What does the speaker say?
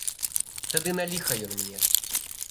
Тады на ліха ён мне?